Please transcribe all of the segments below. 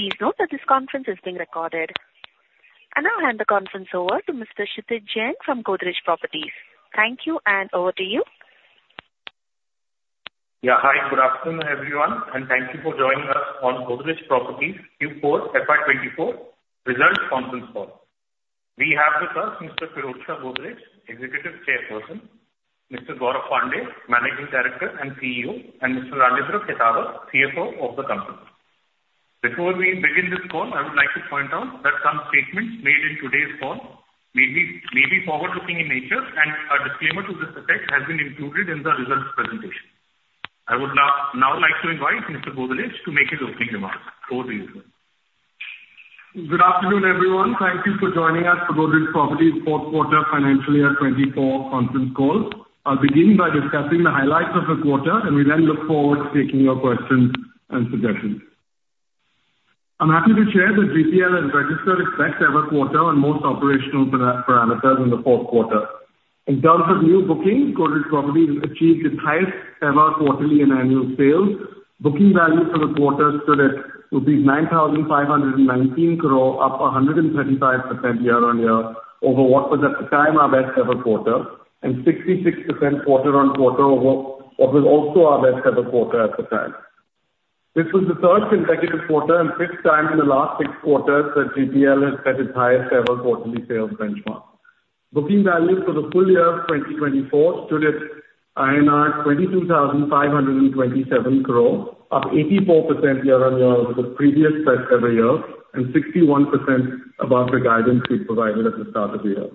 Please note that this conference is being recorded. I now hand the conference over to Mr. Kshitij Jain from Godrej Properties. Thank you, and over to you. Yeah, hi. Good afternoon, everyone, and thank you for joining us on Godrej Properties Q4 FY 2024 Results Conference call. We have with us Mr. Pirojsha Godrej, Executive Chairperson, Mr. Gaurav Pandey, Managing Director and CEO, and Mr. Rajendra Khetawat, CFO of the company. Before we begin this call, I would like to point out that some statements made in today's call may be forward-looking in nature, and a disclaimer to this effect has been included in the results presentation. I would now like to invite Mr. Godrej to make his opening remarks. Over to you, sir. Good afternoon, everyone. Thank you for joining us for Godrej Properties fourth quarter financial year 2024 conference call. I'll begin by discussing the highlights of the quarter, and we then look forward to taking your questions and suggestions. I'm happy to share that GPL has registered its best-ever quarter on most operational parameters in the fourth quarter. In terms of new bookings, Godrej Properties achieved its highest-ever quarterly and annual sales. Booking value for the quarter stood at rupees 9,519 crore, up 135% year-on-year over what was, at the time, our best-ever quarter and 66% quarter-on-quarter over what was also our best-ever quarter at the time. This was the third consecutive quarter and fifth time in the last six quarters that GPL has set its highest-ever quarterly sales benchmark. Booking value for the full year of 2024 stood at INR 22,527 crore, up 84% year-on-year over the previous best-ever year and 61% above the guidance we provided at the start of the year.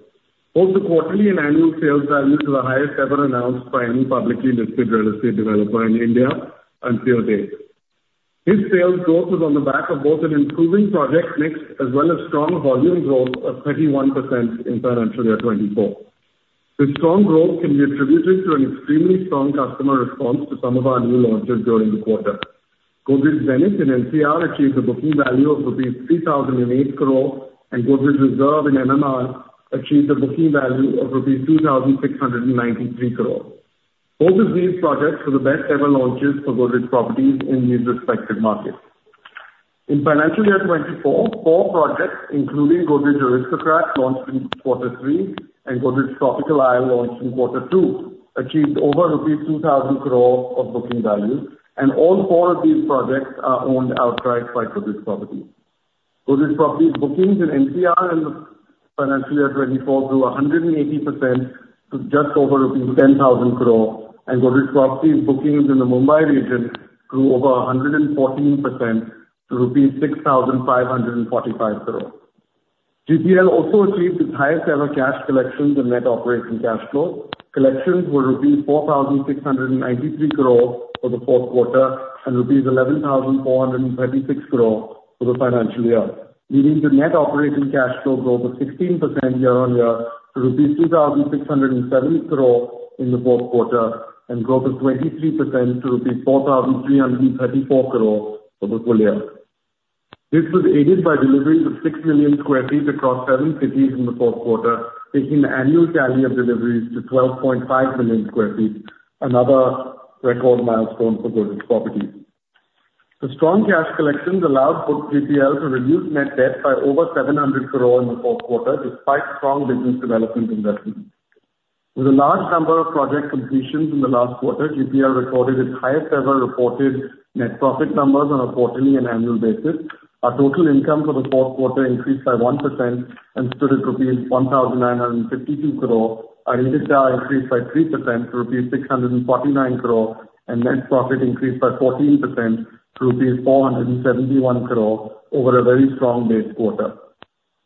Both the quarterly and annual sales value were the highest-ever announced by any publicly listed real estate developer in India until date. This sales growth was on the back of both an improving project mix as well as strong volume growth of 31% in financial year 2024. This strong growth can be attributed to an extremely strong customer response to some of our new launches during the quarter. Godrej Zenith in NCR achieved a booking value of rupees 3,008 crore, and Godrej Reserve in MMR achieved a booking value of rupees 2,693 crore. Both of these projects were the best-ever launches for Godrej Properties in these respective markets. In financial year 2024, four projects, including Godrej Aristocrat launched in quarter three and Godrej Tropical Isle launched in quarter two, achieved over rupees 2,000 crore of booking value, and all four of these projects are owned outright by Godrej Properties. Godrej Properties' bookings in NCR in financial year 2024 grew 180% to just over rupees 10,000 crore, and Godrej Properties' bookings in the Mumbai region grew over 114% to rupees 6,545 crore. GPL also achieved its highest-ever cash collections and net operating cash flow. Collections were rupees 4,693 crore for the fourth quarter and rupees 11,436 crore for the financial year, leading to net operating cash flow growth of 16% year-on-year to rupees 2,607 crore in the fourth quarter and growth of 23% to rupees 4,334 crore for the full year. This was aided by deliveries of 6 million sq ft across seven cities in the fourth quarter, taking the annual tally of deliveries to 12.5 million sq ft, another record milestone for Godrej Properties. The strong cash collections allowed GPL to reduce net debt by over 700 crore in the fourth quarter despite strong business development investments. With a large number of project completions in the last quarter, GPL recorded its highest-ever reported net profit numbers on a quarterly and annual basis. Our total income for the fourth quarter increased by 1% and stood at rupees 1,952 crore, our EBITDA increased by 3% to rupees 649 crore, and net profit increased by 14% to rupees 471 crore over a very strong base quarter.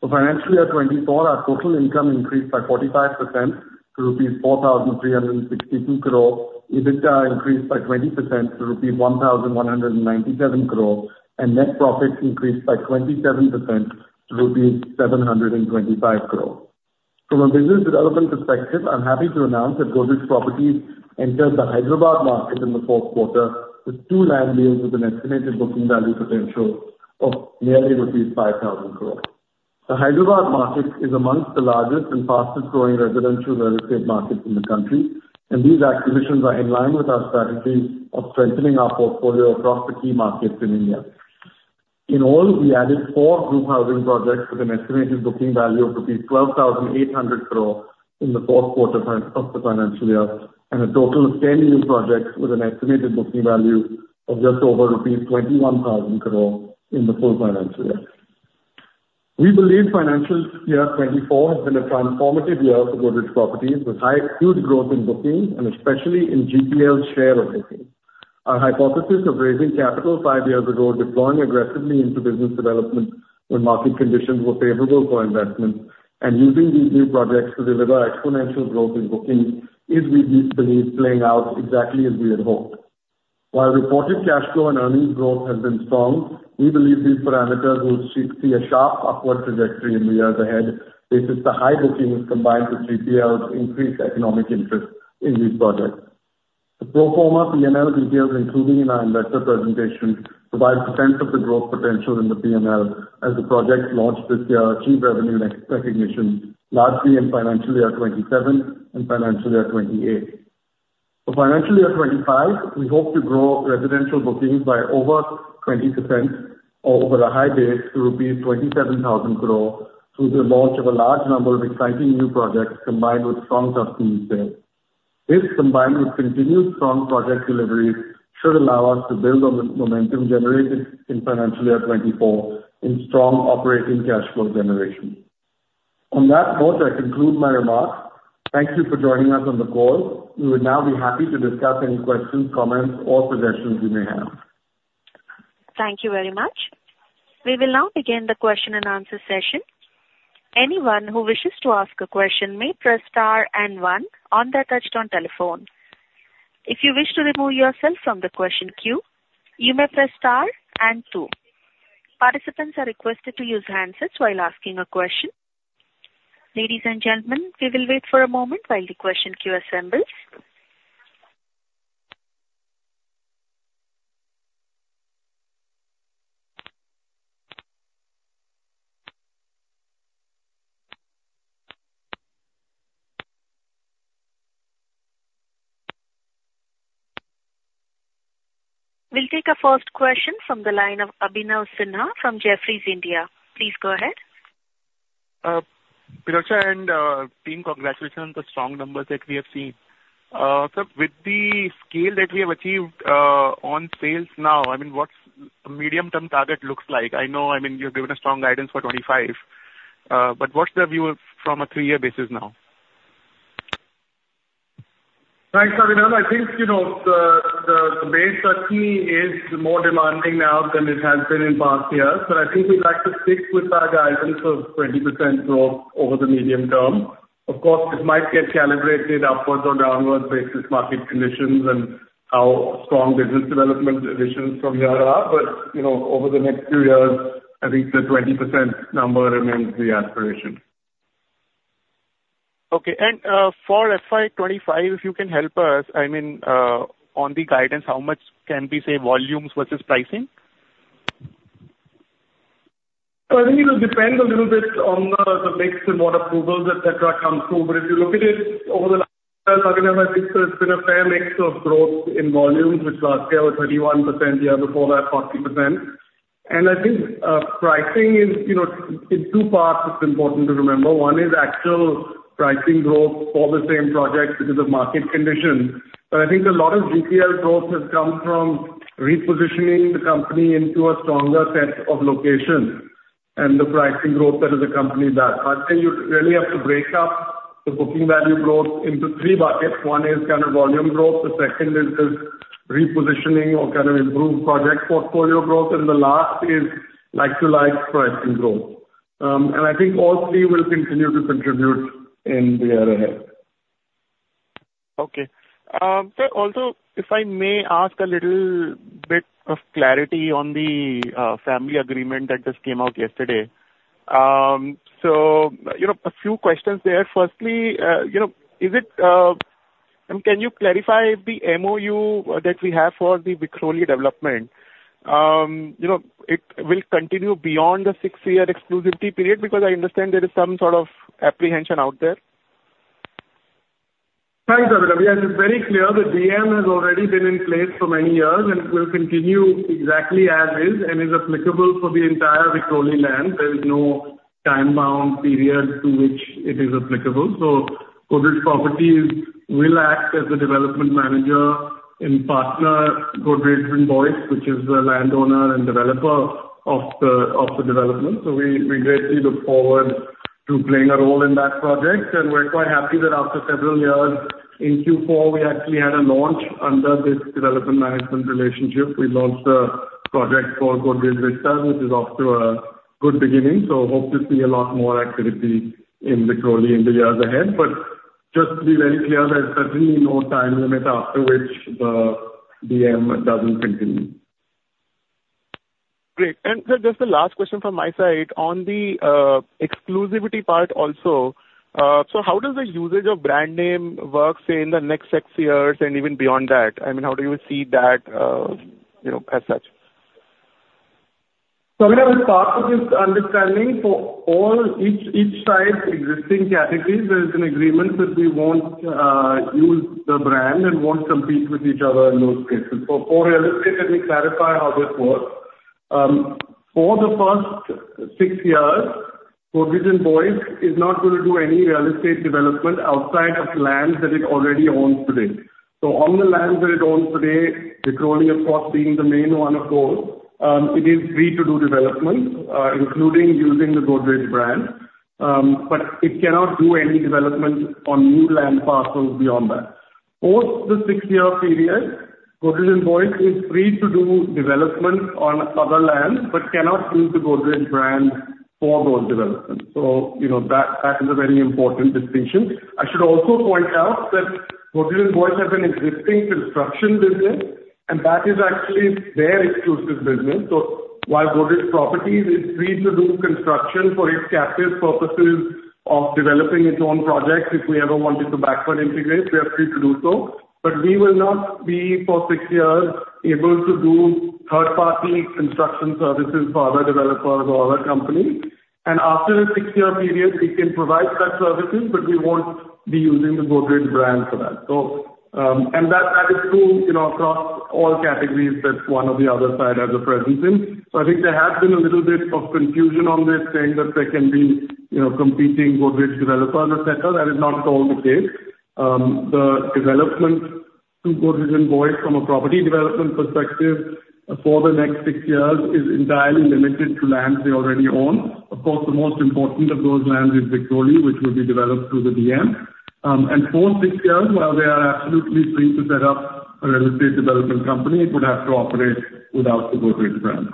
For financial year 2024, our total income increased by 45% to rupees 4,362 crore, EBITDA increased by 20% to Rs. 1,197 crore, and net profit increased by 27% to rupees 725 crore. From a business development perspective, I'm happy to announce that Godrej Properties entered the Hyderabad market in the fourth quarter with two land deals with an estimated booking value potential of nearly rupees 5,000 crore. The Hyderabad market is among the largest and fastest-growing residential real estate markets in the country, and these acquisitions are in line with our strategy of strengthening our portfolio across the key markets in India. In all, we added four group housing projects with an estimated booking value of rupees 12,800 crore in the fourth quarter of the financial year and a total of 10 new projects with an estimated booking value of just over rupees 21,000 crore in the full financial year. We believe financial year 2024 has been a transformative year for Godrej Properties with huge growth in bookings and especially in GPL's share of bookings. Our hypothesis of raising capital five years ago, deploying aggressively into business development when market conditions were favorable for investments, and using these new projects to deliver exponential growth in bookings is, we believe, playing out exactly as we had hoped. While reported cash flow and earnings growth have been strong, we believe these parameters will see a sharp upward trajectory in the years ahead because the high bookings combined with GPL's increased economic interest in these projects. The pro forma P&L details, including in our investor presentation, provide a sense of the growth potential in the P&L as the projects launched this year achieve revenue recognition largely in financial year 2027 and financial year 2028. For financial year 2025, we hope to grow residential bookings by over 20% or over a high base to rupees 27,000 crore through the launch of a large number of exciting new projects combined with strong customers' sales. This, combined with continued strong project deliveries, should allow us to build on the momentum generated in financial year 2024 in strong operating cash flow generation. On that note, I conclude my remarks. Thank you for joining us on the call. We would now be happy to discuss any questions, comments, or suggestions you may have. Thank you very much. We will now begin the question-and-answer session. Anyone who wishes to ask a question may press star and one on the touch-tone telephone. If you wish to remove yourself from the question queue, you may press star and two. Participants are requested to use handsets while asking a question. Ladies and gentlemen, we will wait for a moment while the question queue assembles. We'll take a first question from the line of Abhinav Sinha from Jefferies India. Please go ahead. Pirojsha and team, congratulations on the strong numbers that we have seen. Sir, with the scale that we have achieved on sales now, I mean, what's a medium-term target looks like? I know, I mean, you've given a strong guidance for 2025, but what's the view from a three-year basis now? Thanks, Abhinav. I think the base that we need is more demanding now than it has been in past years, but I think we'd like to stick with our guidance of 20% growth over the medium term. Of course, it might get calibrated upwards or downwards based on market conditions and how strong business development additions from here are, but over the next few years, I think the 20% number remains the aspiration. Okay. For FY 2025, if you can help us, I mean, on the guidance, how much can we say volumes versus pricing? So I think it will depend a little bit on the mix and what approvals, etc., come through. But if you look at it over the last years, Abhinav, I think there's been a fair mix of growth in volumes, which last year were 31%, year before that 40%. And I think pricing is in two parts that's important to remember. One is actual pricing growth for the same project because of market conditions. But I think a lot of GPL growth has come from repositioning the company into a stronger set of locations and the pricing growth that is accompanying that. I'd say you'd really have to break up the booking value growth into three buckets. One is kind of volume growth. The second is this repositioning or kind of improved project portfolio growth. And the last is like-to-like pricing growth. I think all three will continue to contribute in the year ahead. Okay. Sir, also, if I may ask a little bit of clarity on the family agreement that just came out yesterday. So a few questions there. Firstly, is it and can you clarify the MOU that we have for the Vikhroli development? It will continue beyond the six-year exclusivity period because I understand there is some sort of apprehension out there. Thanks, Abhinav. Yes, it's very clear. The DM has already been in place for many years and will continue exactly as is and is applicable for the entire Vikhroli land. There is no time-bound period to which it is applicable. So Godrej Properties will act as the development manager and partner Godrej & Boyce, which is the landowner and developer of the development. So we greatly look forward to playing a role in that project. And we're quite happy that after several years in Q4, we actually had a launch under this development management relationship. We launched a project called Godrej Vistas, which is off to a good beginning. So hope to see a lot more activity in Vikhroli in the years ahead. But just to be very clear, there's certainly no time limit after which the DM doesn't continue. Great. Sir, just the last question from my side. On the exclusivity part also, so how does the usage of brand name work, say, in the next six years and even beyond that? I mean, how do you see that as such? So Abhinav, as part of this understanding, for each side's existing categories, there is an agreement that we won't use the brand and won't compete with each other in those cases. For real estate, let me clarify how this works. For the first six years, Godrej & Boyce is not going to do any real estate development outside of lands that it already owns today. So on the lands that it owns today, Vikhroli, of course, being the main one of those, it is free to do development, including using the Godrej brand. But it cannot do any development on new land parcels beyond that. For the six-year period, Godrej & Boyce is free to do development on other lands but cannot use the Godrej brand for those developments. So that is a very important distinction. I should also point out that Godrej & Boyce has an existing construction business, and that is actually their exclusive business. So while Godrej Properties is free to do construction for its captive purposes of developing its own projects, if we ever wanted to backward integrate, we are free to do so. But we will not be, for six years, able to do third-party construction services for other developers or other companies. And after a six-year period, we can provide such services, but we won't be using the Godrej brand for that. And that is true across all categories that one or the other side has a presence in. So I think there has been a little bit of confusion on this, saying that there can be competing Godrej developers, etc. That is not at all the case. The development to Godrej & Boyce, from a property development perspective, for the next six years is entirely limited to lands they already own. Of course, the most important of those lands is Vikhroli, which will be developed through the DM. And for six years, while they are absolutely free to set up a real estate development company, it would have to operate without the Godrej brand.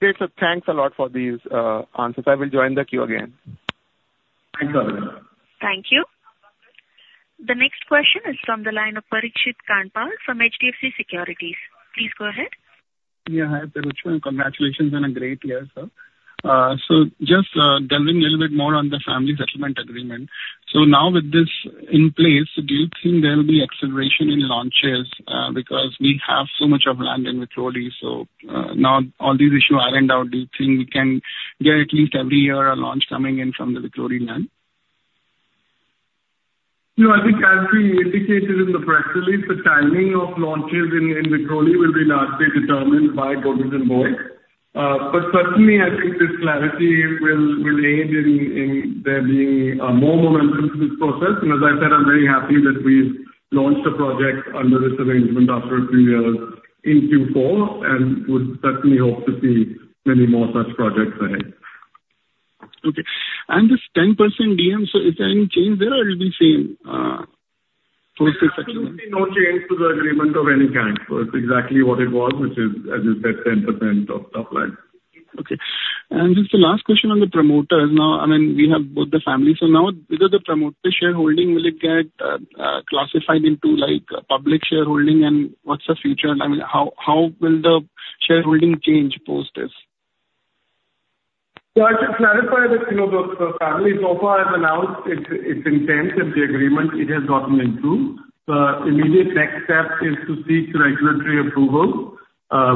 Great. So thanks a lot for these answers. I will join the queue again. Thanks, Abhinav. Thank you. The next question is from the line of Parikshit Kandpal from HDFC Securities. Please go ahead. Yeah, hi, Pirojsha. Congratulations on a great year, sir. So just delving a little bit more on the family settlement agreement. So now with this in place, do you think there will be acceleration in launches because we have so much of land in Vikhroli? So now all these issues are ironed out. Do you think we can get at least every year a launch coming in from the Vikhroli land? No, I think as we indicated in the press release, the timing of launches in Vikhroli will be largely determined by Godrej & Boyce. But certainly, I think this clarity will aid in there being more momentum to this process. And as I said, I'm very happy that we've launched a project under this arrangement after a few years in Q4 and would certainly hope to see many more such projects ahead. Okay. This 10% DM, so is there any change there or it'll be same for six years? Absolutely no change to the agreement of any kind. So it's exactly what it was, which is, as you said, 10% of stuff like that. Okay. And just the last question on the promoters. Now, I mean, we have both the families. So now, will the promoter shareholding get classified into public shareholding, and what's the future? I mean, how will the shareholding change post this? I should clarify that the family so far has announced its intent and the agreement. It has gotten approved. The immediate next step is to seek regulatory approval,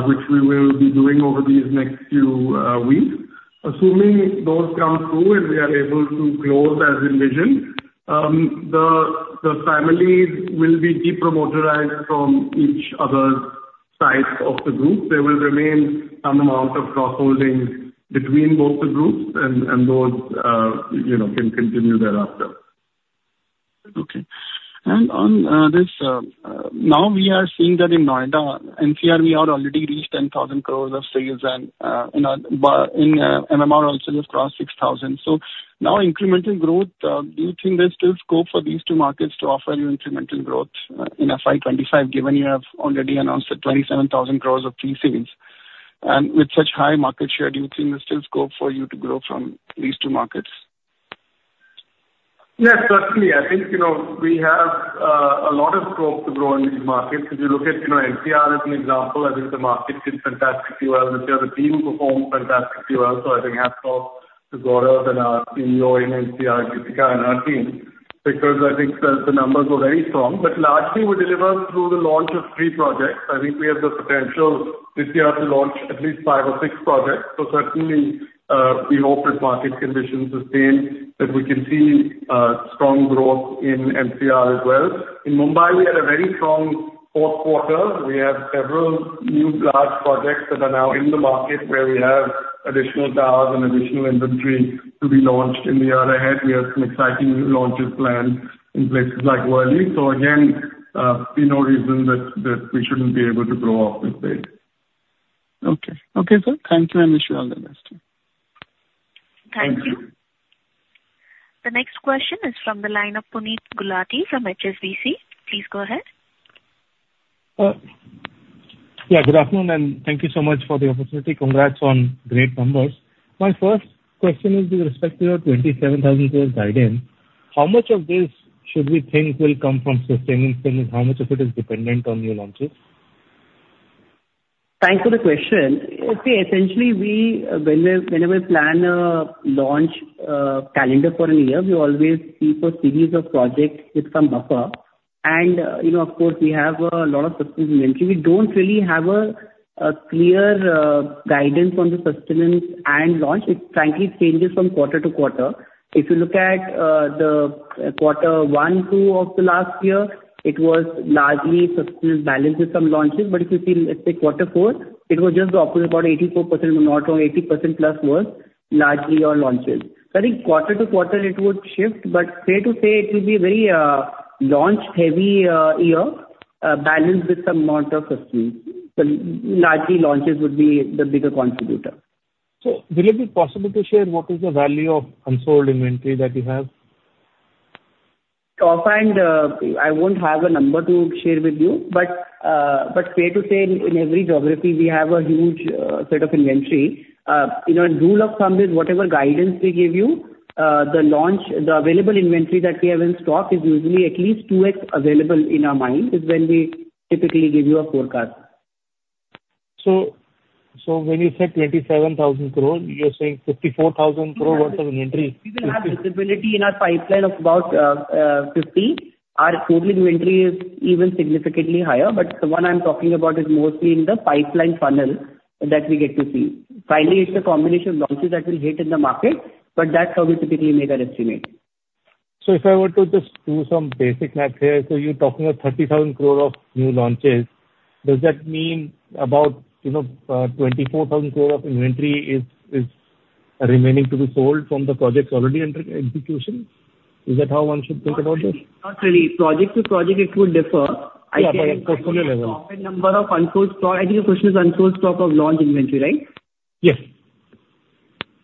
which we will be doing over these next few weeks. Assuming those come through and we are able to close as envisioned, the families will be depromoterized from each other's sides of the group. There will remain some amount of cross-holding between both the groups, and those can continue thereafter. Okay. And on this, now we are seeing that in Noida, NCR, we have already reached 10,000 crore of sales, and in MMR also just crossed 6,000 crore. So now, incremental growth, do you think there's still scope for these two markets to offer you incremental growth in FY 2025 given you have already announced that 27,000 crore of pre-sales? And with such high market share, do you think there's still scope for you to grow from these two markets? Yes, certainly. I think we have a lot of scope to grow in these markets. If you look at NCR as an example, I think the market did fantastically well. The team performed fantastically well. So I think Kshitij Jain, our CEO in NCR, and his team because I think the numbers were very strong. But largely, we deliver through the launch of three projects. I think we have the potential this year to launch at least five or six projects. So certainly, we hope with market conditions sustained that we can see strong growth in NCR as well. In Mumbai, we had a very strong fourth quarter. We have several new large projects that are now in the market where we have additional acres and additional inventory to be launched in the year ahead. We have some exciting new launches planned in places like Worli. Again, see no reason that we shouldn't be able to grow off this base. Okay. Okay, sir. Thank you, and wish you all the best. Thank you. The next question is from the line of Puneet Gulati from HSBC. Please go ahead. Yeah, good afternoon, and thank you so much for the opportunity. Congrats on great numbers. My first question is, with respect to your 27,000 crore guidance, how much of this should we think will come from sustaining spending? How much of it is dependent on new launches? Thanks for the question. Essentially, whenever we plan a launch calendar for a year, we always see for a series of projects with some buffer. Of course, we have a lot of sustained inventory. We don't really have a clear guidance on the sustained and launch. It frankly changes from quarter to quarter. If you look at the quarter one, two of the last year, it was largely sustained balance with some launches. If you see, let's say, quarter four, it was just the opposite, about 84%, if I'm not wrong, 80%+ was largely on launches. I think quarter to quarter, it would shift. Fair to say, it will be a very launch-heavy year balanced with some amount of sustained. Largely, launches would be the bigger contributor. Will it be possible to share what is the value of unsold inventory that you have? Offhand, I won't have a number to share with you. But fair to say, in every geography, we have a huge set of inventory. Rule of thumb is whatever guidance we give you, the available inventory that we have in stock is usually at least 2x available in our mind is when we typically give you a forecast. So when you said 27,000 crore, you're saying 54,000 crore worth of inventory? We will have visibility in our pipeline of about 50. Our total inventory is even significantly higher. But the one I'm talking about is mostly in the pipeline funnel that we get to see. Finally, it's a combination of launches that will hit in the market, but that's how we typically make our estimate. So if I were to just do some basic math here, so you're talking of 30,000 crore of new launches. Does that mean about 24,000 crore of inventory is remaining to be sold from the projects already under execution? Is that how one should think about this? Not really. Project to project, it would differ. I think. Yeah, but at portfolio level. The number of unsold stock, I think the question is unsold stock of launch inventory, right? Yes.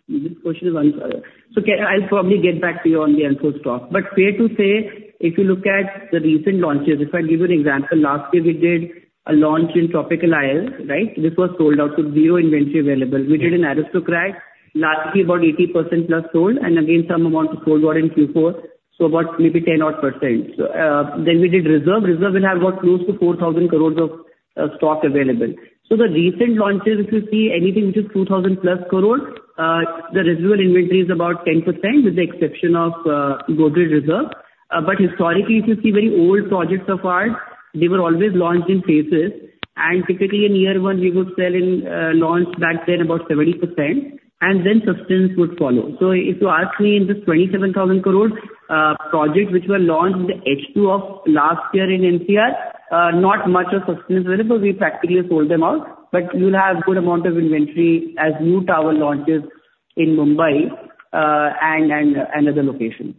This question is on, so I'll probably get back to you on the unsold stock. But fair to say, if you look at the recent launches, if I give you an example, last year, we did a launch in Tropical Isle, right? This was sold out with 0 inventory available. We did in Aristocrat, largely about 80%+ sold, and again, some amount sold out in Q4, so about maybe 10-odd%. Then we did Reserve. Reserve will have about close to 4,000 crore of stock available. So the recent launches, if you see anything which is 2,000+ crore, the residual inventory is about 10% with the exception of Godrej's Reserve. But historically, if you see very old projects so far, they were always launched in phases. And typically, in year one, we would sell in launch back then about 70%, and then sustenance would follow. If you ask me, in this 27,000 crore projects which were launched in the H2 of last year in NCR, not much of sustenance available. We practically sold them out. But you'll have a good amount of inventory as new tower launches in Mumbai and other locations.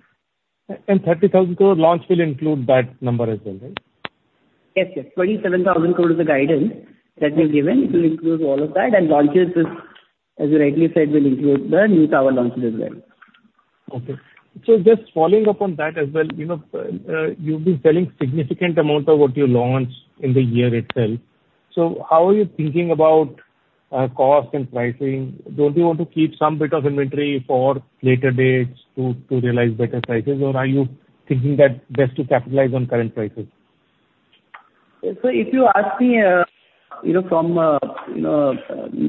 30,000 crore launch will include that number as well, right? Yes, yes. 27,000 crore is the guidance that we've given. It will include all of that. And launches, as you rightly said, will include the new tower launches as well. Okay. Just following up on that as well, you've been selling a significant amount of what you launched in the year itself. How are you thinking about cost and pricing? Don't you want to keep some bit of inventory for later dates to realize better prices, or are you thinking that it's best to capitalize on current prices? So if you ask me from a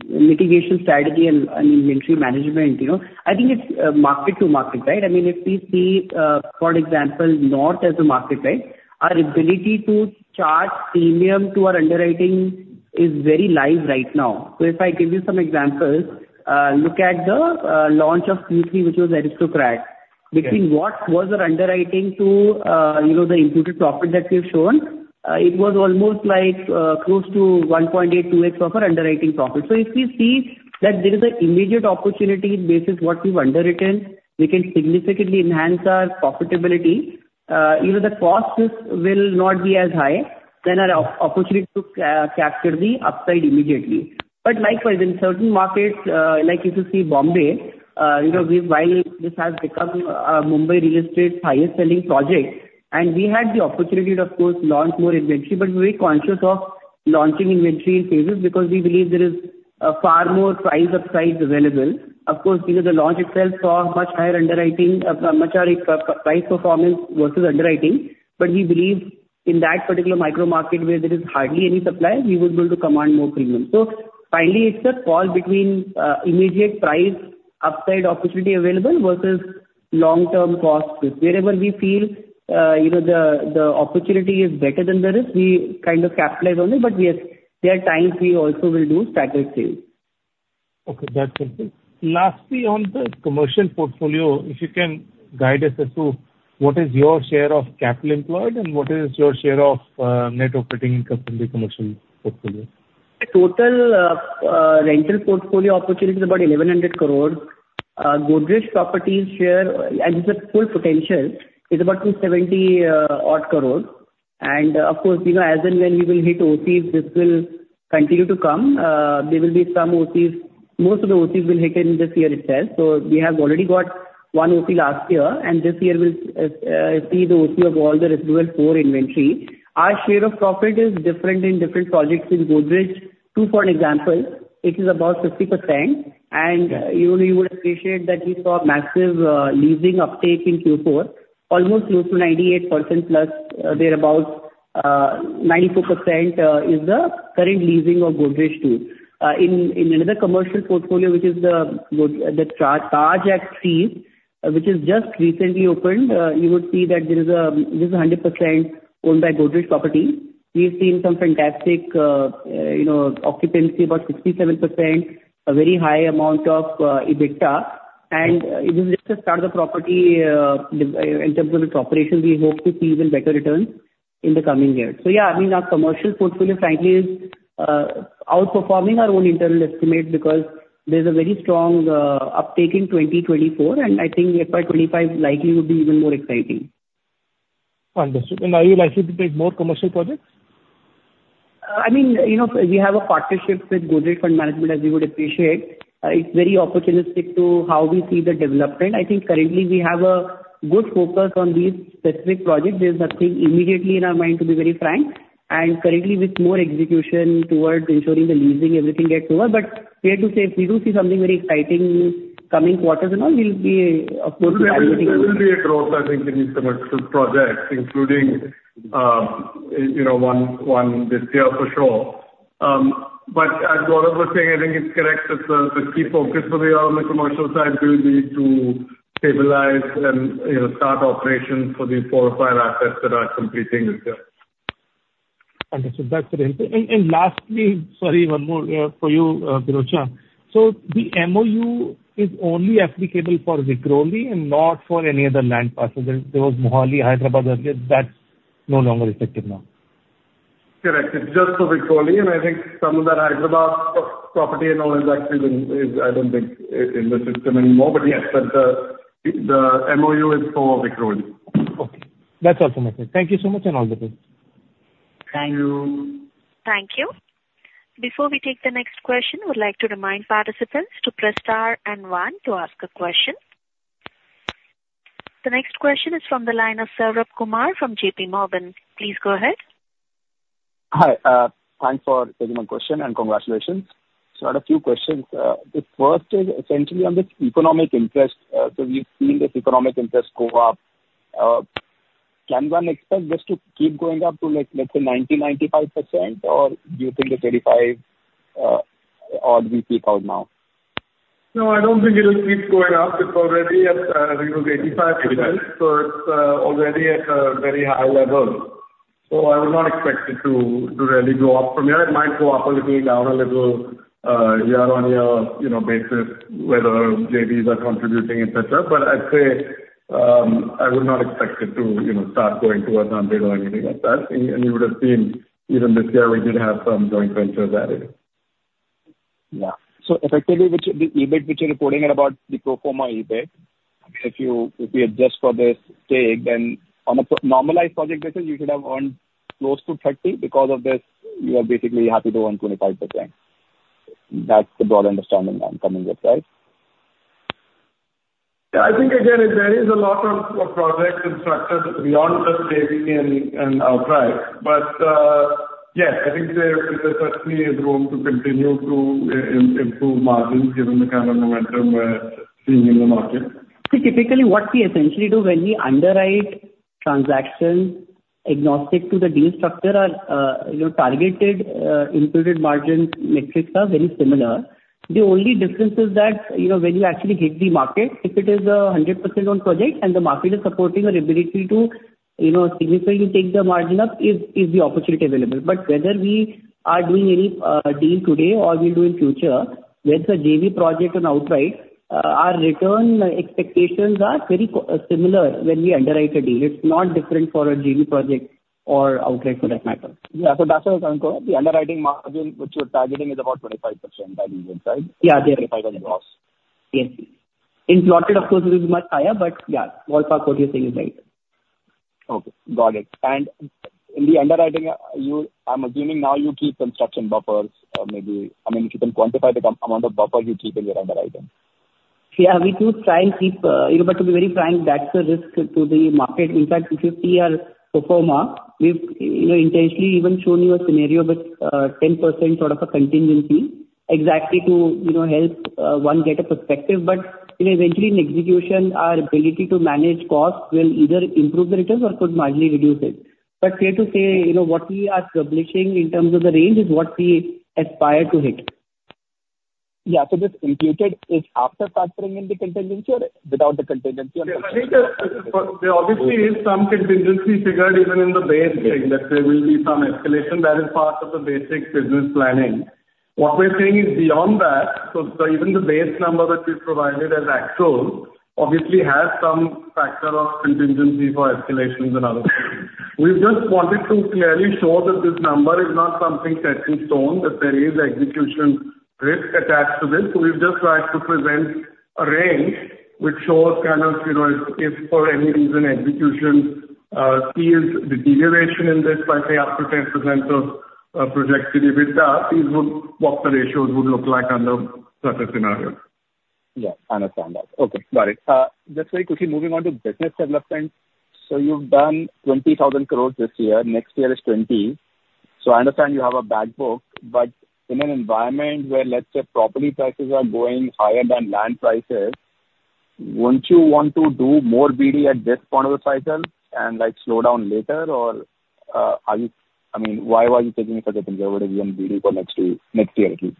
mitigation strategy and inventory management, I think it's mark-to-market, right? I mean, if we see, for example, North as a market, right, our ability to charge premium to our underwriting is very viable right now. So if I give you some examples, look at the launch of Q3, which was Aristocrat. Between what was our underwriting to the embedded profit that we have shown, it was almost close to 1.82x of our underwriting profit. So if we see that there is an immediate opportunity based on what we've underwritten, we can significantly enhance our profitability. Even the costs will not be as high, then our opportunity to capture the upside immediately. But likewise, in certain markets, like if you see Bombay, while this has become Mumbai real estate's highest-selling project, and we had the opportunity, of course, to launch more inventory, but we're very conscious of launching inventory in phases because we believe there is far more price upside available. Of course, the launch itself saw much higher underwriting, much higher price performance versus underwriting. But we believe in that particular micro-market where there is hardly any supply, we would be able to command more premium. So finally, it's a call between immediate price upside opportunity available versus long-term costs. Wherever we feel the opportunity is better than it is, we kind of capitalize on it. But yes, there are times we also will do staggered sales. Okay. That's helpful. Lastly, on the commercial portfolio, if you can guide us as well, what is your share of capital employed, and what is your share of net operating income from the commercial portfolio? Total rental portfolio opportunity is about 1,100 crores. Godrej Properties' share, as a full potential, is about 270-odd crores. Of course, as and when we will hit OCs, this will continue to come. There will be some OCs; most of the OCs will hit in this year itself. So we have already got one OC last year, and this year we'll see the OC of all the residual four inventory. Our share of profit is different in different projects in Godrej Two. For an example, it is about 50%. And you would appreciate that we saw massive leasing uptake in Q4, almost close to 98%+ thereabouts. 94% is the current leasing of Godrej Two. In another commercial portfolio, which is the Taj The Trees, which is just recently opened, you would see that there is. This is 100% owned by Godrej Properties. We've seen some fantastic occupancy, about 67%, a very high amount of EBITDA. This is just the start of the property. In terms of its operation, we hope to see even better returns in the coming years. Yeah, I mean, our commercial portfolio, frankly, is outperforming our own internal estimate because there's a very strong uptake in 2024. I think FY 2025 likely would be even more exciting. Understood. Are you likely to take more commercial projects? I mean, we have a partnership with Godrej Fund Management, as you would appreciate. It's very opportunistic to how we see the development. I think currently, we have a good focus on these specific projects. There's nothing immediately in our mind, to be very frank. Currently, with more execution towards ensuring the leasing, everything gets over. But fair to say, if we do see something very exciting coming quarters and all, we'll be, of course, evaluating. There will be a growth, I think, in these commercial projects, including one this year for sure. But as Gaurav was saying, I think it's correct that the key focus for the year on the commercial side will be to stabilize and start operations for these four or five assets that are completing this year. Understood. That's very helpful. And lastly, sorry, one more for you, Pirojsha. So the MOU is only applicable for Vikhroli and not for any other land parcels. There was Mohali, Hyderabad earlier. That's no longer effective now. Correct. It's just for Vikhroli. I think some of that Hyderabad property and all is actually been I don't think in the system anymore. Yes, the MOU is for Vikhroli. Okay. That's all from my side. Thank you so much and all the best. Thank you. Thank you. Before we take the next question, I would like to remind participants to press star and one to ask a question. The next question is from the line of Saurabh Kumar from J.P. Morgan. Please go ahead. Hi. Thanks for taking my question, and congratulations. So I had a few questions. The first is essentially on this economic interest. So we've seen this economic interest go up. Can one expect this to keep going up to, let's say, 90%, 95%, or do you think it's 85-odd% we peak out now? No, I don't think it will keep going up. It's already at, I think, it was 85%. So it's already at a very high level. So I would not expect it to really go up from here. It might go up a little, down a little year-on-year basis, whether JVs are contributing, etc. But I'd say I would not expect it to start going towards 100 or anything like that. And you would have seen even this year, we did have some joint ventures added. Yeah. So effectively, the EBIT which you're reporting at about the pro forma EBIT, if we adjust for this stake, then on a normalized project basis, you should have earned close to 30. Because of this, you are basically happy to earn 25%. That's the broad understanding I'm coming with, right? Yeah. I think, again, it varies a lot on projects and structures beyond just JV and outright. But yes, I think there certainly is room to continue to improve margins given the kind of momentum we're seeing in the market. So, typically, what we essentially do when we underwrite transactions agnostic to the deal structure are targeted imputed margin metrics are very similar. The only difference is that when you actually hit the market, if it is a 100%-owned project and the market is supporting our ability to significantly take the margin up, is the opportunity available. But whether we are doing any deal today or we'll do in future, whether it's a JV project or an outright, our return expectations are very similar when we underwrite a deal. It's not different for a JV project or outright for that matter. Yeah. So that's what I was trying to call out. The underwriting margin which you're targeting is about 25% by deals, right? Yeah, they are. 25 on gross. Yes. In plotted, of course, it will be much higher. But yeah, ballpark what you're saying is right. Okay. Got it. And in the underwriting, I'm assuming now you keep construction buffers maybe I mean, if you can quantify the amount of buffer you keep in your underwriting. Yeah. We do try and keep but to be very frank, that's a risk to the market. In fact, if you see our pro forma, we've intentionally even shown you a scenario with 10% sort of a contingency exactly to help one get a perspective. Eventually, in execution, our ability to manage costs will either improve the returns or could largely reduce it. Fair to say, what we are publishing in terms of the range is what we aspire to hit. Yeah. So this imputed is after factoring in the contingency or without the contingency on cost? Yeah. I think there obviously is some contingency figured even in the base thing. Let's say there will be some escalation. That is part of the basic business planning. What we're saying is beyond that, so even the base number that we've provided as actual obviously has some factor of contingency for escalations and other things. We've just wanted to clearly show that this number is not something set in stone, that there is execution risk attached to this. So we've just tried to present a range which shows kind of if for any reason execution sees deterioration in this by, say, up to 10% of projected EBITDA, what the ratios would look like under such a scenario. Yeah. I understand that. Okay. Got it. Just very quickly, moving on to business development. So you've done 20,000 crore this year. Next year is 20,000 crore. So I understand you have an order book. But in an environment where, let's say, property prices are going higher than land prices, won't you want to do more BD at this point of the cycle and slow down later, or? I mean, why were you taking such a conservative BD for next year at least?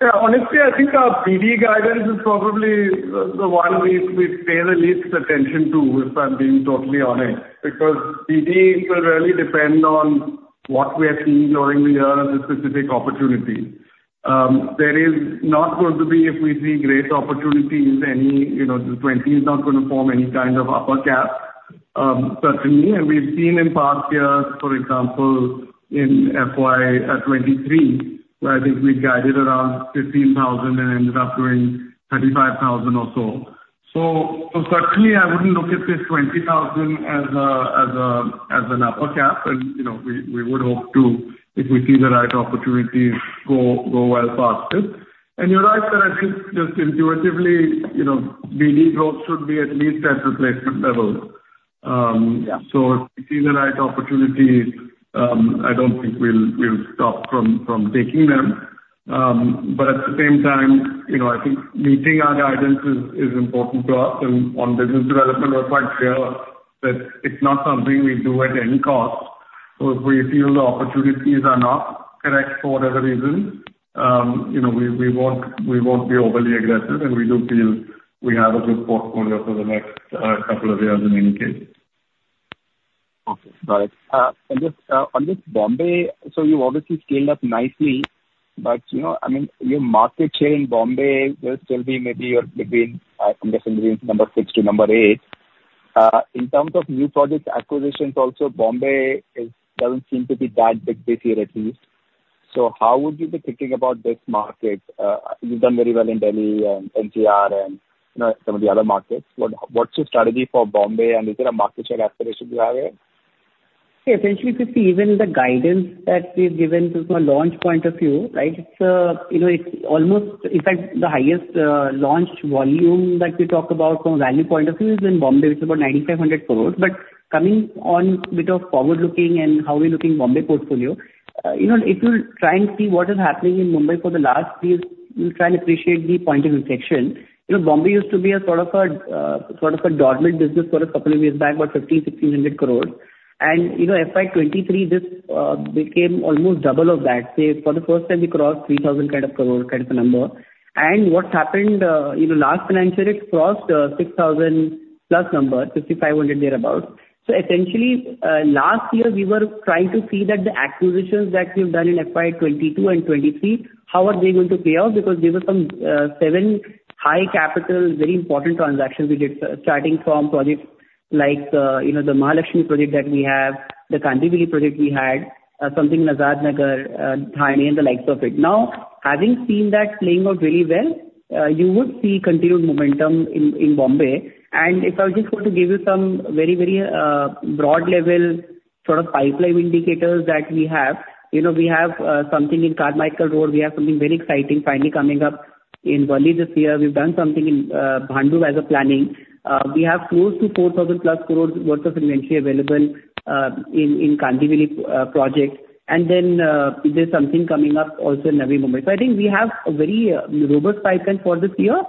Yeah. Honestly, I think our BD guidance is probably the one we pay the least attention to, if I'm being totally honest, because BD will really depend on what we are seeing during the year as a specific opportunity. There is not going to be any. If we see great opportunities, the 20,000 is not going to form any kind of upper cap, certainly. We've seen in past years, for example, in FY 2023, where I think we guided around 15,000 and ended up doing 35,000 or so. Certainly, I wouldn't look at this 20,000 as an upper cap. And we would hope to, if we see the right opportunities, go well past it. And you're right that I think just intuitively, BD growth should be at least at replacement level. If we see the right opportunities, I don't think we'll stop from taking them. But at the same time, I think meeting our guidance is important to us. And on business development, we're quite clear that it's not something we do at any cost. So if we feel the opportunities are not correct for whatever reason, we won't be overly aggressive. And we do feel we have a good portfolio for the next couple of years in any case. Okay. Got it. And on this Bombay, so you obviously scaled up nicely. But I mean, your market share in Bombay, there'll still be maybe you're between, I'm guessing, between number six to number eight. In terms of new project acquisitions also, Bombay doesn't seem to be that big this year at least. So how would you be thinking about this market? You've done very well in Delhi and NCR and some of the other markets. What's your strategy for Bombay, and is there a market share aspiration you have here? Yeah. Essentially, even the guidance that we've given from a launch point of view, right, it's almost in fact, the highest launch volume that we talk about from a value point of view is in Bombay, which is about 9,500 crore. But coming on a bit of forward-looking and how we're looking at Bombay portfolio, if you try and see what is happening in Mumbai for the last few years, you'll try and appreciate the point of inflection. Bombay used to be sort of a dormant business for a couple of years back, about 1,500-1,600 crore. And FY 2023, this became almost double of that. For the first time, we crossed 3,000 kind of crore kind of a number. And what happened last financial year, it crossed 6,000+ number, 5,500 thereabouts. So essentially, last year, we were trying to see that the acquisitions that we've done in FY 2022 and 2023, how are they going to play out? Because there were some seven high-capital, very important transactions we did, starting from projects like the Mahalakshmi project that we have, the Kandivali project we had, something in Azad Nagar, Thane, and the likes of it. Now, having seen that playing out really well, you would see continued momentum in Bombay. And if I just want to give you some very, very broad-level sort of pipeline indicators that we have, we have something in Carmichael Road. We have something very exciting finally coming up in Worli this year. We've done something in Bhandup as a planning. We have close to 4,000+ crore worth of inventory available in Kandivali project. And then there's something coming up also in Navi Mumbai. So I think we have a very robust pipeline for this year.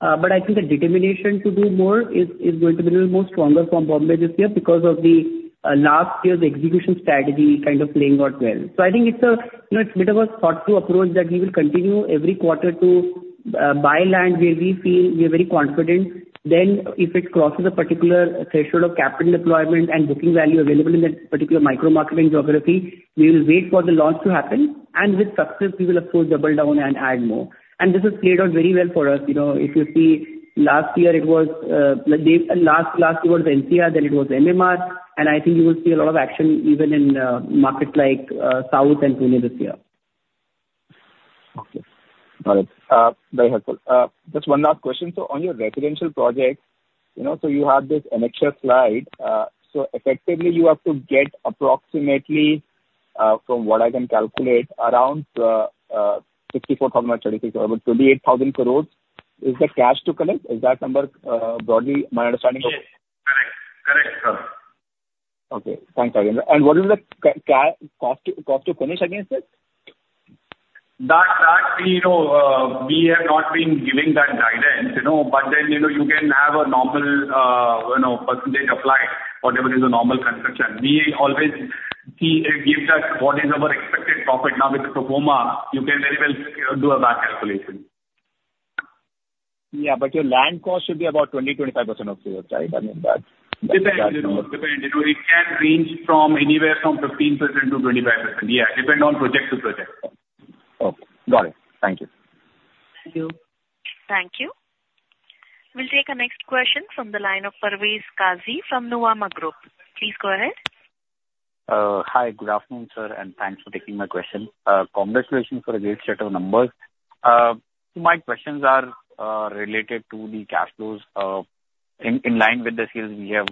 But I think the determination to do more is going to be a little more stronger from Bombay this year because of the last year's execution strategy kind of playing out well. So I think it's a bit of a thoughtful approach that we will continue every quarter to buy land where we feel we're very confident. Then if it crosses a particular threshold of capital deployment and booking value available in that particular micro-market in geography, we will wait for the launch to happen. And with success, we will, of course, double down and add more. And this has played out very well for us. If you see last year, it was last year was NCR, then it was MMR. I think you will see a lot of action even in markets like South and Pune this year. Okay. Got it. Very helpful. Just one last question. So on your residential project, so you have this annexure slide. So effectively, you have to get approximately, from what I can calculate, around 64,000 crore or 36,000 crore, 28,000 crore. Is that cash to collect? Is that number broadly my understanding of? Yes. Correct. Correct, sir. Okay. Thanks, Rajendra. And what is the cost to finish against it? That we have not been giving that guidance. But then you can have a normal percentage applied, whatever is a normal construction. We always give that what is our expected profit. Now, with the pro forma, you can very well do a back calculation. Yeah. But your land cost should be about 20%-25% of yours, right? I mean, that depends. Depends. It can range anywhere from 15%-25%. Yeah. Depend on project to project. Okay. Got it. Thank you. Thank you. Thank you. We'll take a next question from the line of Parvez Qazi from Nuvama Group. Please go ahead. Hi. Good afternoon, sir. Thanks for taking my question. Congratulations for a great set of numbers. My questions are related to the cash flows. In line with the sales, we have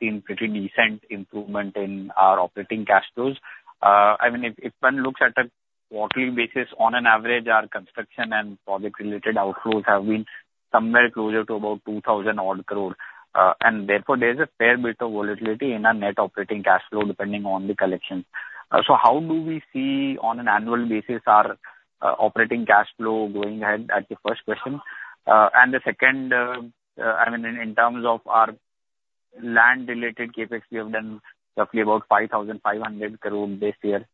seen pretty decent improvement in our operating cash flows. I mean, if one looks at a quarterly basis, on an average, our construction and project-related outflows have been somewhere closer to about 2,000-odd crores. And therefore, there's a fair bit of volatility in our net operating cash flow depending on the collections. How do we see, on an annual basis, our operating cash flow going ahead? That's the first question. The second, I mean, in terms of our land-related CapEx, we have done roughly about 5,500 crores this year.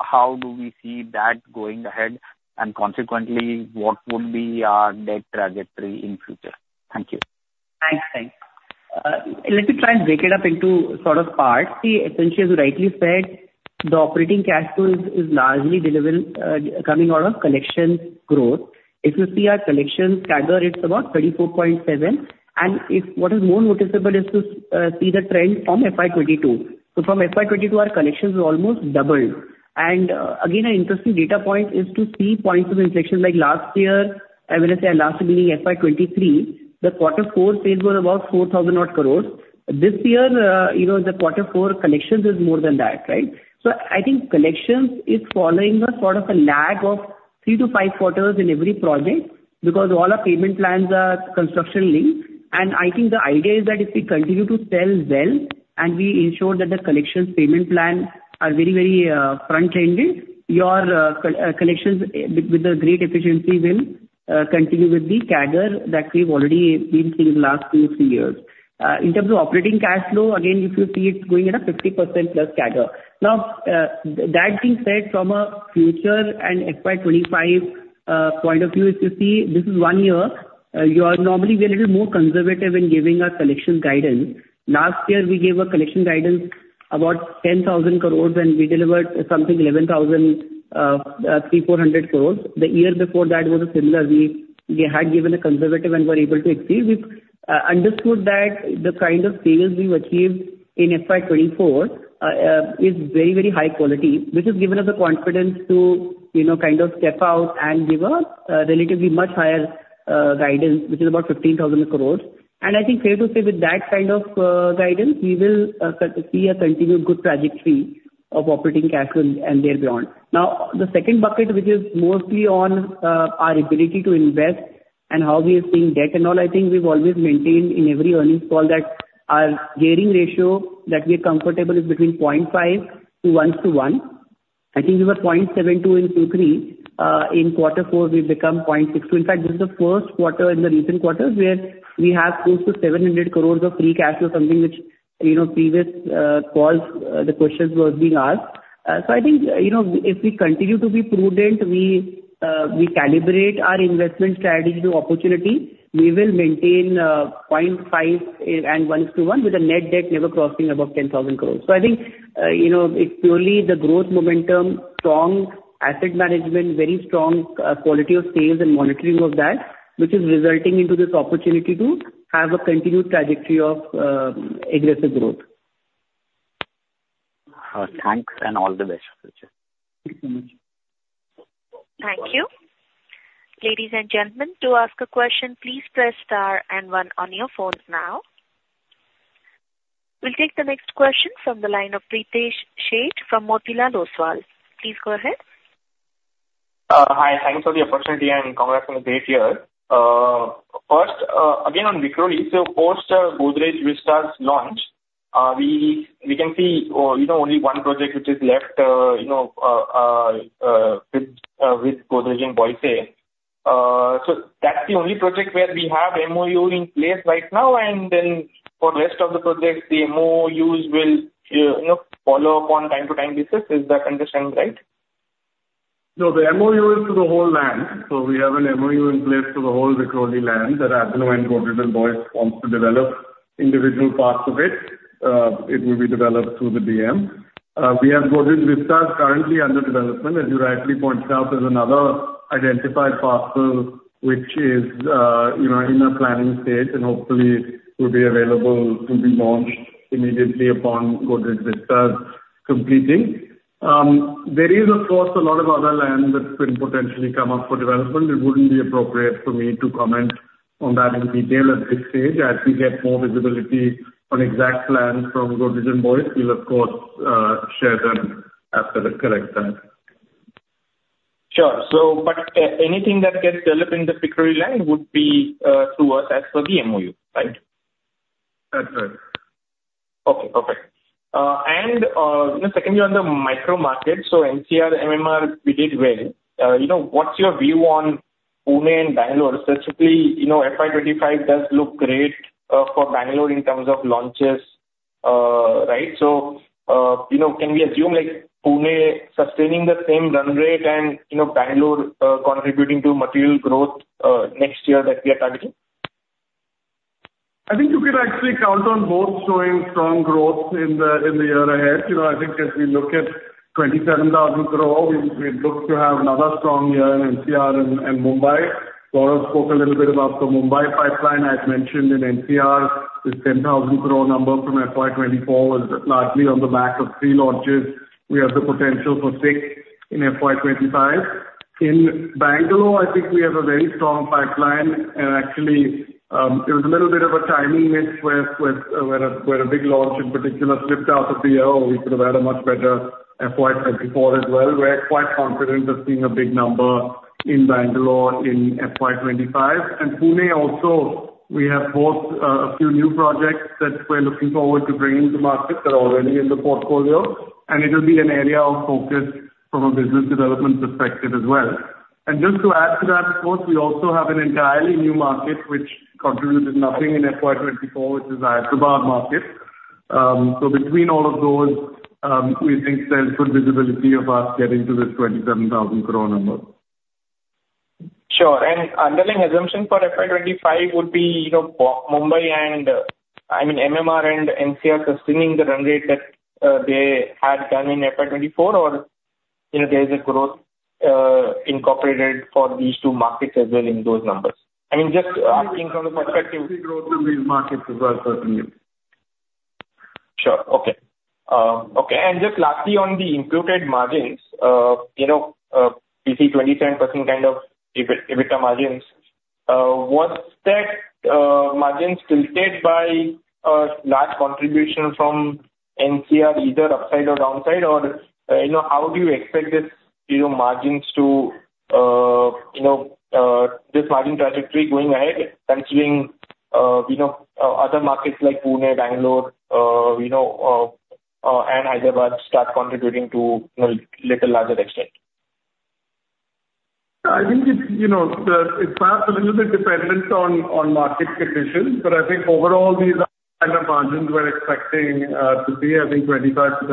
How do we see that going ahead? Consequently, what would be our debt trajectory in future? Thank you. Thanks, thanks. Let me try and break it up into sort of parts. Essentially, as you rightly said, the operating cash flow is largely coming out of collection growth. If you see our collections, CAGR, it's about 34.7. And what is more noticeable is to see the trend from FY 2022. So from FY 2022, our collections have almost doubled. And again, an interesting data point is to see points of inflection like last year. I mean, let's say last year FY 2023, the quarter four sales were about 4,000-odd crore. This year, the quarter four collections is more than that, right? So I think collections is following us sort of a lag of three to five quarters in every project because all our payment plans are construction-linked. I think the idea is that if we continue to sell well and we ensure that the collections payment plans are very, very front-ended, your collections with a great efficiency will continue with the CAGR that we've already been seeing the last two or three years. In terms of operating cash flow, again, if you see it going at a 50%+ CAGR. Now, that being said, from a future and FY 2025 point of view, if you see this is one year, normally, we are a little more conservative in giving our collections guidance. Last year, we gave a collection guidance about 10,000 crore, and we delivered something 11,300-11,400 crore. The year before that was a similar we had given a conservative and were able to exceed. We've understood that the kind of sales we've achieved in FY 2024 is very, very high quality, which has given us the confidence to kind of step out and give a relatively much higher guidance, which is about 15,000 crore. And I think fair to say with that kind of guidance, we will see a continued good trajectory of operating cash flow and there beyond. Now, the second bucket, which is mostly on our ability to invest and how we are seeing debt and all, I think we've always maintained in every earnings call that our gearing ratio that we are comfortable is between 0.5-1:1. I think we were 0.72 in 2023. In quarter four, we've become 0.62. In fact, this is the first quarter in the recent quarters where we have close to 700 crore of free cash or something, which previous calls, the questions were being asked. So I think if we continue to be prudent, we calibrate our investment strategy to opportunity, we will maintain 0.5 and 1:1 with a net debt never crossing above 10,000 crore. So I think it's purely the growth momentum, strong asset management, very strong quality of sales, and monitoring of that, which is resulting into this opportunity to have a continued trajectory of aggressive growth. Thanks. All the best, Pirojsha. Thank you so much. Thank you. Ladies and gentlemen, to ask a question, please press star and one on your phones now. We'll take the next question from the line of Pritesh Sheth from Motilal Oswal. Please go ahead. Hi. Thanks for the opportunity, and congrats on the great year. First, again, on Vikhroli, so post Godrej Vistas' launch, we can see only one project which is left with Godrej & Boyce. So that's the only project where we have MOU in place right now. And then for the rest of the projects, the MOUs will follow up on a time-to-time basis. Is that understanding right? No, the MOU is to the whole land. So we have an MOU in place for the whole Vikhroli land that Godrej and Boyce wants to develop individual parts of it. It will be developed through the DM. We have Godrej Vistas currently under development, as you rightly pointed out, as another identified parcel, which is in a planning stage and hopefully will be available to be launched immediately upon Godrej Vistas completing. There is, of course, a lot of other land that's been potentially come up for development. It wouldn't be appropriate for me to comment on that in detail at this stage. As we get more visibility on exact plans from Godrej and Boyce, we'll, of course, share them after the correct time. Sure. But anything that gets developed in the Vikhroli land would be through us as per the MOU, right? That's right. Okay. Perfect. And secondly, on the micro market, so NCR, MMR, we did well. What's your view on Pune and Bangalore? Specifically, FY 2025 does look great for Bangalore in terms of launches, right? So can we assume Pune sustaining the same run rate and Bangalore contributing to material growth next year that we are targeting? I think you could actually count on both showing strong growth in the year ahead. I think as we look at 27,000 crore, we'd look to have another strong year in NCR and Mumbai. Gaurav spoke a little bit about the Mumbai pipeline. I had mentioned in NCR, this 10,000 crore number from FY 2024 was largely on the back of three launches. We have the potential for siix in FY 2025. In Bangalore, I think we have a very strong pipeline. Actually, it was a little bit of a timing mess where a big launch in particular slipped out of the year. Oh, we could have had a much better FY 2024 as well. We're quite confident of seeing a big number in Bangalore in FY2025. Pune also, we have both a few new projects that we're looking forward to bringing to market that are already in the portfolio. And it will be an area of focus from a business development perspective as well. And just to add to that, of course, we also have an entirely new market which contributed nothing in FY24, which is the Hyderabad market. So between all of those, we think there's good visibility of us getting to this 27,000 crore number. Sure. And underlying assumption for FY 2025 would be Mumbai and, I mean, MMR and NCR sustaining the run rate that they had done in FY 2024, or there is a growth incorporated for these two markets as well in those numbers? I mean, just asking from the perspective. We see growth in these markets as well, certainly. Just lastly, on the imputed margins, we see 27% kind of EBITDA margins. Was that margin tilted by a large contribution from NCR, either upside or downside? Or how do you expect these margins to this margin trajectory going ahead, considering other markets like Pune, Bangalore, and Hyderabad start contributing to a little larger extent? I think it's perhaps a little bit dependent on market conditions. But I think overall, these are kind of margins we're expecting to see. I think 25%-30%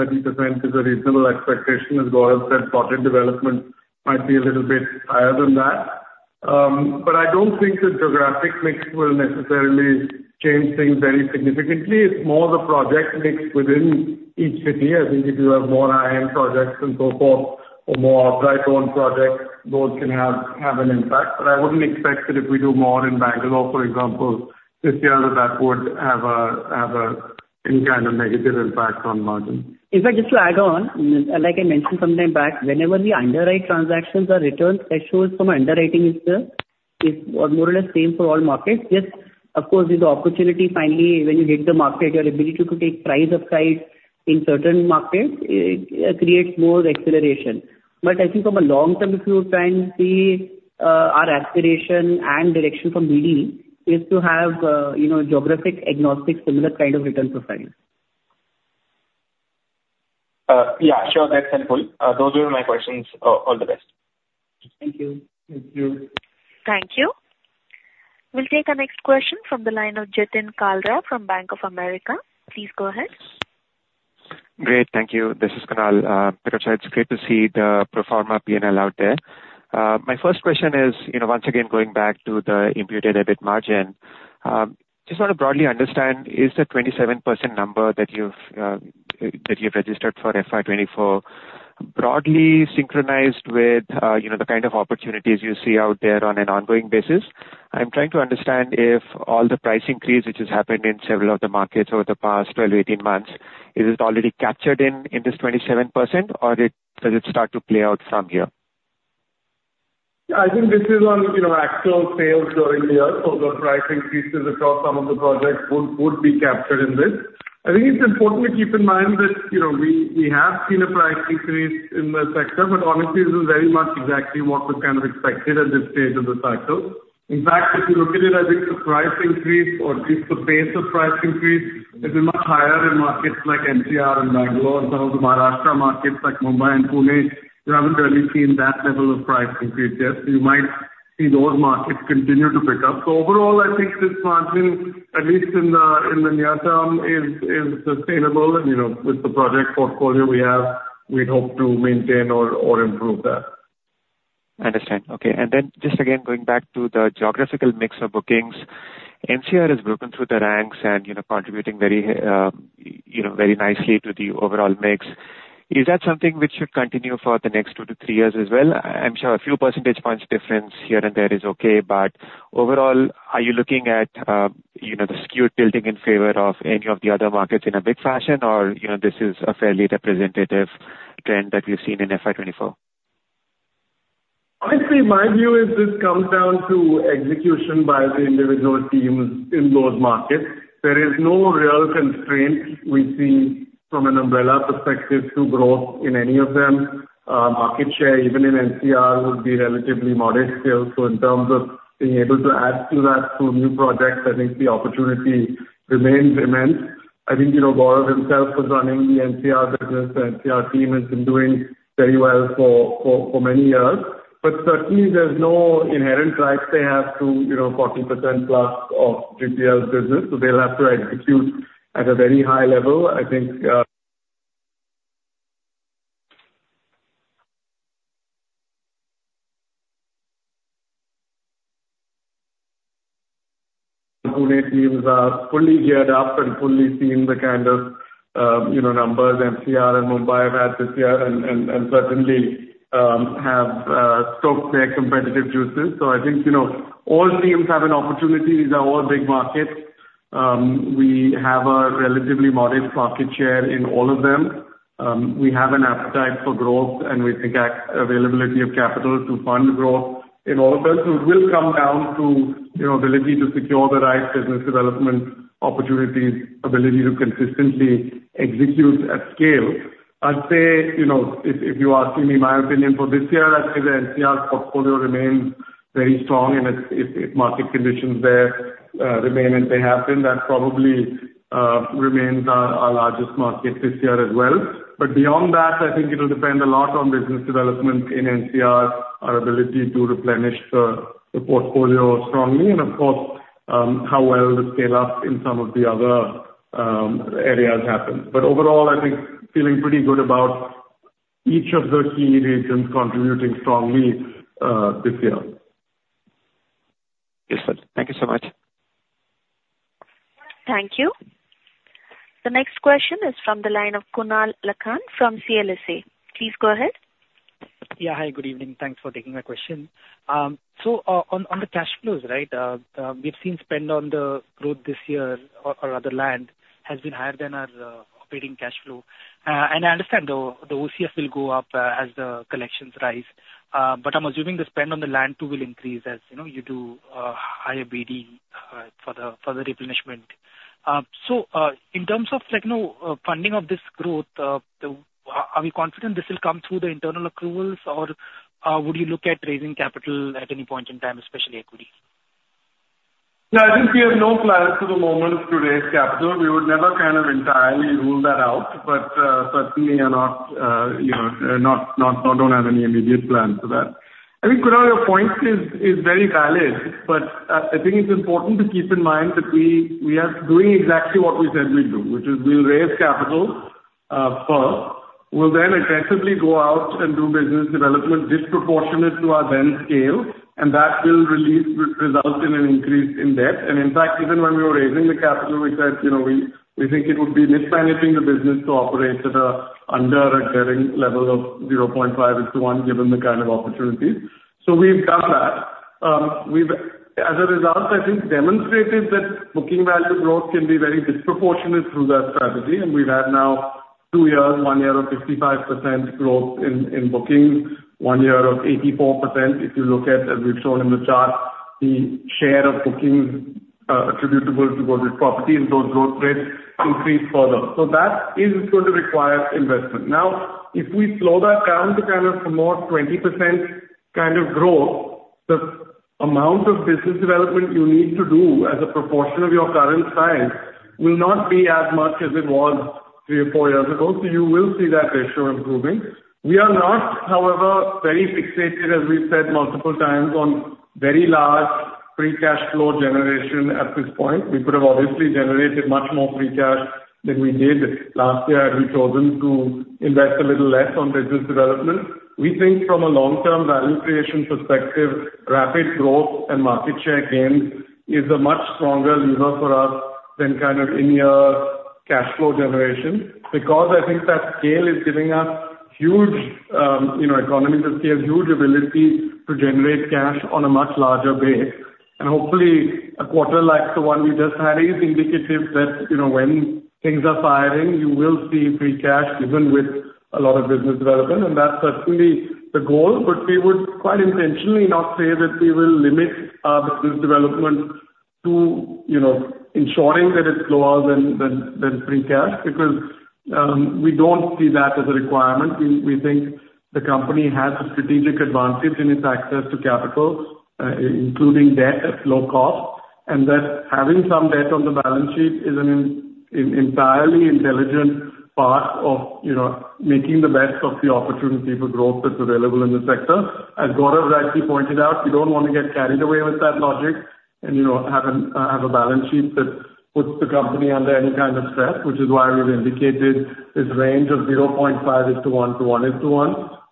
is a reasonable expectation, as Gaurav said, project development might be a little bit higher than that. But I don't think the geographic mix will necessarily change things very significantly. It's more the project mix within each city. I think if you have more high-end projects and so forth or more upside-down projects, those can have an impact. But I wouldn't expect that if we do more in Bangalore, for example, this year, that that would have any kind of negative impact on margins. In fact, just to add on, like I mentioned sometime back, whenever we underwrite transactions or returns, thresholds from underwriting is more or less the same for all markets. Just, of course, with the opportunity, finally, when you hit the market, your ability to take price upside in certain markets creates more acceleration. But I think from a long-term, if you try and see our aspiration and direction from BD is to have geographic-agnostic, similar kind of return profiles. Yeah. Sure. That's helpful. Those were my questions. All the best. Thank you. Thank you. Thank you. We'll take a next question from the line of Kunal Tayal from Bank of America. Please go ahead. Great. Thank you. This is Kunal Tayal. It's great to see the pro forma P&L out there. My first question is, once again, going back to the imputed EBIT margin, just want to broadly understand, is the 27% number that you've registered for FY 2024 broadly synchronized with the kind of opportunities you see out there on an ongoing basis? I'm trying to understand if all the price increase, which has happened in several of the markets over the past 12-18 months, is it already captured in this 27%, or does it start to play out from here? Yeah. I think this is on actual sales during the year. So the price increases across some of the projects would be captured in this. I think it's important to keep in mind that we have seen a price increase in the sector. But honestly, this is very much exactly what was kind of expected at this stage of the cycle. In fact, if you look at it, I think the price increase or at least the pace of price increase has been much higher in markets like NCR and Bangalore and some of the Maharashtra markets like Mumbai and Pune. We haven't really seen that level of price increase yet. So you might see those markets continue to pick up. So overall, I think this margin, at least in the near term, is sustainable. And with the project portfolio we have, we'd hope to maintain or improve that. I understand. Okay. And then just again, going back to the geographical mix of bookings, NCR has broken through the ranks and contributing very nicely to the overall mix. Is that something which should continue for the next two to three years as well? I'm sure a few percentage points difference here and there is okay. But overall, are you looking at the skewed tilting in favor of any of the other markets in a big fashion, or this is a fairly representative trend that we've seen in FY2024? Honestly, my view is this comes down to execution by the individual teams in those markets. There is no real constraint we see from an umbrella perspective to growth in any of them. Market share, even in NCR, would be relatively modest still. So in terms of being able to add to that through new projects, I think the opportunity remains immense. I think Kshitij himself was running the NCR business. The NCR team has been doing very well for many years. But certainly, there's no inherent right they have to 40%+ of GPL business. So they'll have to execute at a very high level. I think Pune teams are fully geared up and fully seen the kind of numbers NCR and Mumbai have had this year and certainly have stoked their competitive juices. So I think all teams have an opportunity. These are all big markets. We have a relatively modest market share in all of them. We have an appetite for growth, and we think availability of capital to fund growth in all of them. So it will come down to ability to secure the right business development opportunities, ability to consistently execute at scale. I'd say if you're asking me my opinion for this year, I'd say the NCR portfolio remains very strong. And if market conditions there remain as they have been, that probably remains our largest market this year as well. But beyond that, I think it'll depend a lot on business development in NCR, our ability to replenish the portfolio strongly, and of course, how well the scale-up in some of the other areas happens. But overall, I think feeling pretty good about each of the key regions contributing strongly this year. Excellent. Thank you so much. Thank you. The next question is from the line of Kunal Lakhan from CLSA. Please go ahead. Yeah. Hi. Good evening. Thanks for taking my question. So on the cash flows, right, we've seen spend on the growth this year or other land has been higher than our operating cash flow. And I understand the OCF will go up as the collections rise. But I'm assuming the spend on the land too will increase as you do higher BD for the replenishment. So in terms of funding of this growth, are we confident this will come through the internal approvals, or would you look at raising capital at any point in time, especially equity? Yeah. I think we have no plans for the moment to raise capital. We would never kind of entirely rule that out. But certainly, we don't have any immediate plans for that. I think Kunal, your point is very valid. But I think it's important to keep in mind that we are doing exactly what we said we'd do, which is we'll raise capital first. We'll then aggressively go out and do business development disproportionate to our then scale. And that will result in an increase in debt. And in fact, even when we were raising the capital, we said we think it would be mismanaging the business to operate at an under-leveraged level of 0.5:1 given the kind of opportunities. So we've done that. As a result, I think we've demonstrated that booking value growth can be very disproportionate through that strategy. We've had now two years, one year of 55% growth in bookings, one year of 84%. If you look at, as we've shown in the chart, the share of bookings attributable to Godrej Properties, those growth rates increased further. So that is going to require investment. Now, if we slow that down to kind of more 20% kind of growth, the amount of business development you need to do as a proportion of your current size will not be as much as it was three or four years ago. So you will see that ratio improving. We are not, however, very fixated, as we've said multiple times, on very large free cash flow generation at this point. We could have obviously generated much more free cash than we did last year, had we chosen to invest a little less on business development. We think from a long-term value creation perspective, rapid growth and market share gains is a much stronger lever for us than kind of in-year cash flow generation because I think that scale is giving us huge economies of scale, huge ability to generate cash on a much larger base. Hopefully, a quarter like the one we just had is indicative that when things are firing, you will see free cash even with a lot of business development. That's certainly the goal. We would quite intentionally not say that we will limit our business development to ensuring that it's lower than free cash because we don't see that as a requirement. We think the company has a strategic advantage in its access to capital, including debt at low cost. That having some debt on the balance sheet is an entirely intelligent part of making the best of the opportunity for growth that's available in the sector. As Gaurav rightly pointed out, you don't want to get carried away with that logic and have a balance sheet that puts the company under any kind of stress, which is why we've indicated this range of 0.5:1 to 1:1.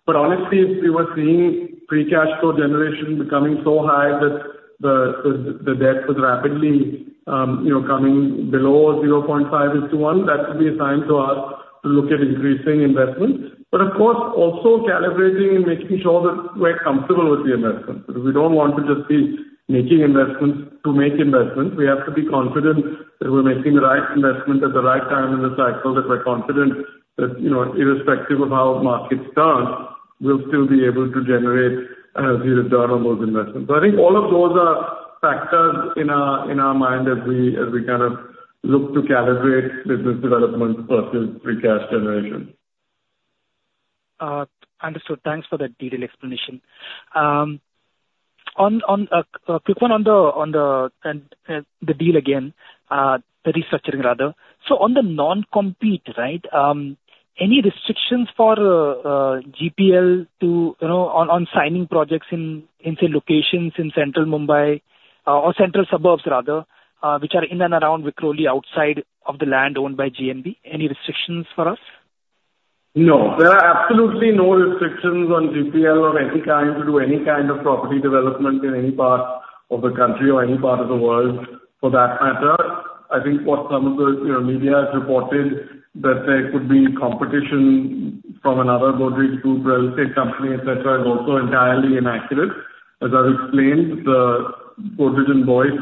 But honestly, if we were seeing free cash flow generation becoming so high that the debt was rapidly coming below 0.5:1, that would be a sign to us to look at increasing investment. But of course, also calibrating and making sure that we're comfortable with the investments. We don't want to just be making investments to make investments. We have to be confident that we're making the right investment at the right time in the cycle, that we're confident that irrespective of how markets turn, we'll still be able to generate a return on those investments. So I think all of those are factors in our mind as we kind of look to calibrate business development versus free cash generation. Understood. Thanks for that detailed explanation. A quick one on the deal again, the restructuring, rather. So on the non-compete, right, any restrictions for GPL on signing projects in, say, locations in central Mumbai or central suburbs, rather, which are in and around Vikhroli, outside of the land owned by G&B, any restrictions for us? No. There are absolutely no restrictions on GPL of any kind to do any kind of property development in any part of the country or any part of the world for that matter. I think what some of the media has reported that there could be competition from another Godrej Group real estate company, etc., is also entirely inaccurate. As I've explained, the Godrej & Boyce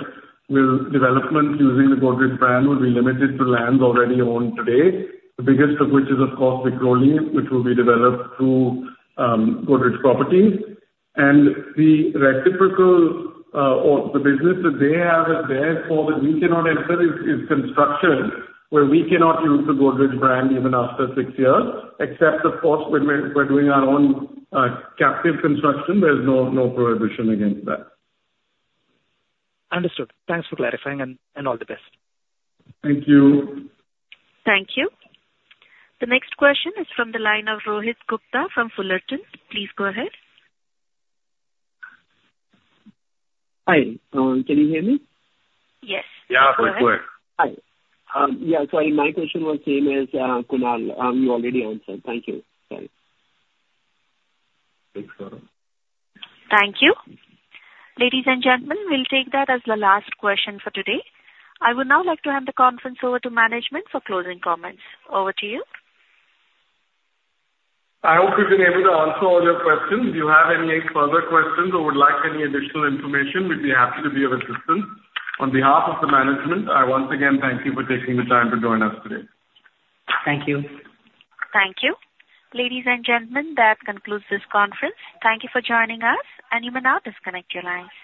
will do development using the Godrej brand will be limited to lands already owned today, the biggest of which is, of course, Vikhroli, which will be developed through Godrej Properties. And the reciprocal or the business that they have is there for that we cannot enter is construction where we cannot use the Godrej brand even after six years, except, of course, when we're doing our own captive construction, there's no prohibition against that. Understood. Thanks for clarifying, and all the best. Thank you. Thank you. The next question is from the line of Rohit Gupta from Fullerton. Please go ahead. Hi. Can you hear me? Yes. Yeah. Quick, quick. Hi. Yeah. Sorry. My question was the same as Kunal. You already answered. Thank you. Sorry. Thanks, Pirojsha. Thank you. Ladies and gentlemen, we'll take that as the last question for today. I would now like to hand the conference over to management for closing comments. Over to you. I hope we've been able to answer all your questions. If you have any further questions or would like any additional information, we'd be happy to be of assistance. On behalf of the management, I once again thank you for taking the time to join us today. Thank you. Thank you. Ladies and gentlemen, that concludes this conference. Thank you for joining us. You may now disconnect your lines.